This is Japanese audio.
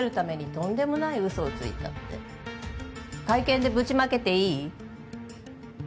「とんでもない嘘をついた」って会見でぶちまけていい？